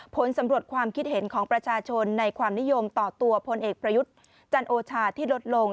ผลสำรวจความคิดเห็นของประชาชนในความนิยมต่อตัวพลเอกประยุทธ์จันโอชาที่ลดลง